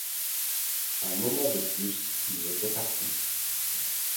Un moment de plus, ils étaient partis.